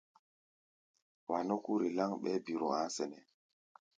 Wa nɔ́ kúri láŋ, ɓɛɛ́ biro a̧á̧ sɛnɛ́.